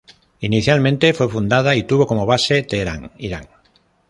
Inicialmente fue fundada y tuvo como base Teherán, Irán.